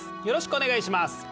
よろしくお願いします。